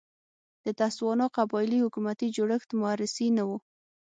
د تسوانا قبایلي حکومتي جوړښت موروثي نه و.